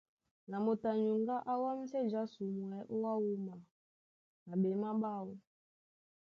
Na moto a nyuŋgá á wámsɛ jásumwɛ́ ó wá wúma na ɓémaɓáọ.